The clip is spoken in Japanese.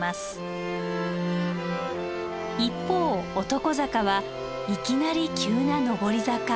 一方男坂はいきなり急な登り坂。